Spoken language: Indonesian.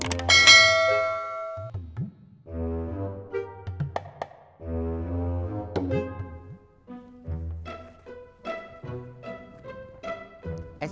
yang di atas